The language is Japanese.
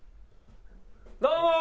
どうもー！